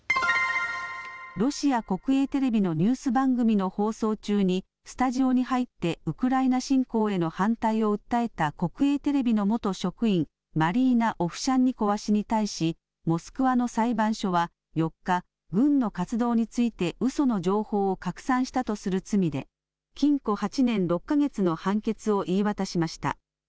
ロシア国営テレビのニュース番組の放送中にスタジオに入ってウクライナ侵攻への反対を訴えた国営テレビの元職員マリーナ・オフシャンニコワ氏に対しモスクワの裁判所は４日軍の活動についてうその情報を拡散したとする罪で禁錮８年６か月の判決を言い渡しました。